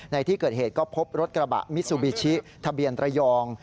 ในที่เกิดเหตุก็พบรถกระบะมิซูบิชิทะเบียนระยอง